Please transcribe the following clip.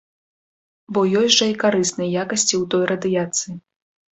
Бо ёсць жа і карысныя якасці ў той радыяцыі.